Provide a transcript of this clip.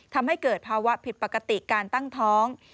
ทำให้เกิดภาวะผิดปกติการตั้งท้อง